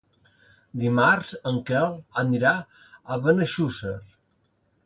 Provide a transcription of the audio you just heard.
Dimarts en Quel anirà a Benejússer.